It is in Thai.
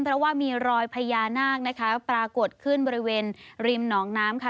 เพราะว่ามีรอยพญานาคนะคะปรากฏขึ้นบริเวณริมหนองน้ำค่ะ